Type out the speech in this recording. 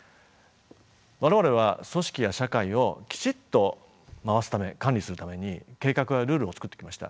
我々は組織や社会をきちっと回すため管理するために計画やルールを作ってきました。